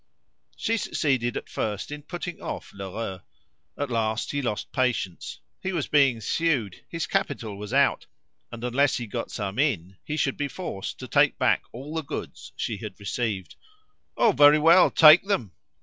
She succeeded at first in putting off Lheureux. At last he lost patience; he was being sued; his capital was out, and unless he got some in he should be forced to take back all the goods she had received. "Oh, very well, take them!"